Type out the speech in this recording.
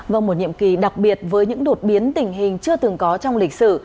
vào một nhiệm kỳ đặc biệt với những đột biến tình hình chưa từng có trong lịch sử